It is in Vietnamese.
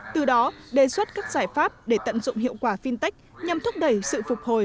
từ đó đề xuất các giải pháp để tận dụng hiệu quả fintech nhằm thúc đẩy sự phục hồi